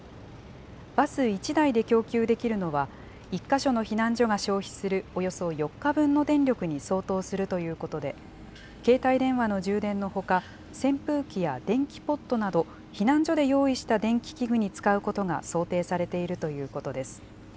バス１台で供給できるのは、１か所の避難所が消費するおよそ４日分の電力に相当するということで、携帯電話の充電のほか、扇風機や電気ポットなど、避難所で用意した電気器具に使うことが想定されているということです。